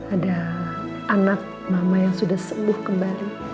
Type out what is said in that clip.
ada anak mama yang sudah sembuh kembali